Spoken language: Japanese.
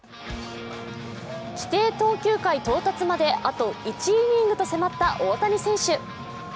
規定投球回到達まであと１イニングと迫った大谷選手。